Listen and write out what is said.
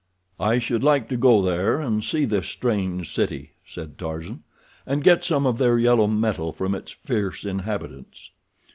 "I should like to go there and see this strange city," said Tarzan, "and get some of their yellow metal from its fierce inhabitants."